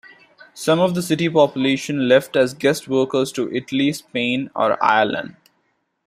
Some of the city population left as guest workers to Italy, Spain, or Ireland.